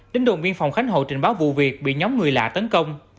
đính đồn viên phòng khánh hội trình báo vụ việc bị nhóm người lạ tấn công